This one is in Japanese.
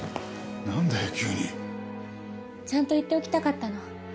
ちゃんと言っておきたかったの。